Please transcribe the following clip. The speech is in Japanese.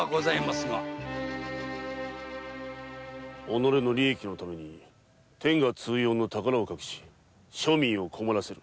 己の利益のために天下通用の宝を隠し庶民を困らせる。